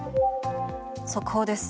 速報です。